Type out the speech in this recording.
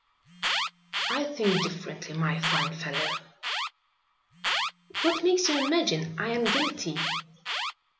"I think differently, my fine fellow." "What makes you imagine I am guilty?"